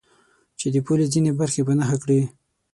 چې د پولې ځینې برخې په نښه کړي.